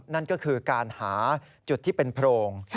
นั่นก็คือการหาจุดที่เป็นโพรง